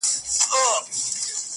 تر څو نه یو شرمینده تر پاک سبحانه.